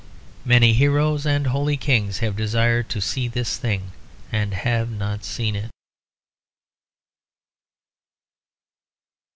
Many heroes and holy kings have desired to see this thing, and have not seen it.